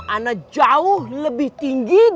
ilmu ana jauh lebih tinggi dari mereka